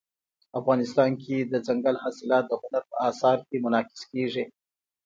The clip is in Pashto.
افغانستان کې دځنګل حاصلات د هنر په اثار کې منعکس کېږي.